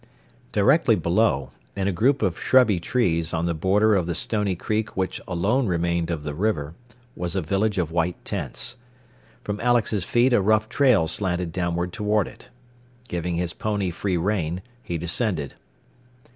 Directly below, in a group of shrubby trees on the border of the stony creek which alone remained of the river, was a village of white tents. From Alex's feet a rough trail slanted downward toward it. Giving his pony free rein, he descended.